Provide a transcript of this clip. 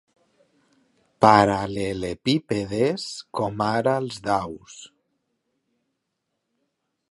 Paral·lelepípedes com ara els daus.